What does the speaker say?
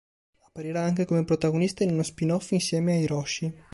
Apparirà anche come protagonista in uno spin-off insieme a Hiroshi.